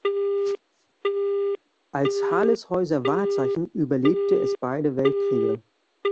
Als Harleshäuser Wahrzeichen überlebte es beide Weltkriege.